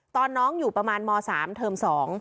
ตอนน้องอยู่ประมาณม๓เทอม๒